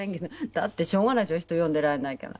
だってしょうがないでしょ人呼んでられないから。